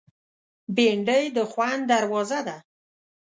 بېنډۍ د خوند دروازه ده